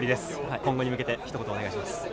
今後に向けて一言お願いします。